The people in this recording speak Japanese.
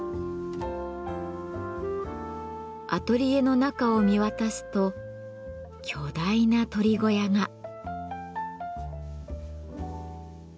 アトリエの中を見渡すと巨大な鳥小屋が。